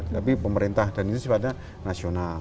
tapi pemerintah dan institusi pada nasional